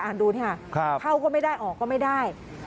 อ่านดูนี่ค่ะเข้าก็ไม่ได้ออกก็ไม่ได้ครับครับ